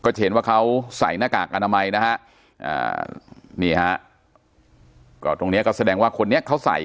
จะเห็นว่าเขาใส่หน้ากากอนามัยนะฮะนี่ฮะก็ตรงเนี้ยก็แสดงว่าคนนี้เขาใส่